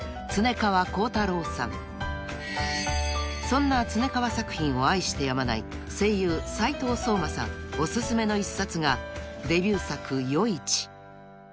［そんな恒川作品を愛してやまない声優斉藤壮馬さんおすすめの１冊がデビュー作『夜市』］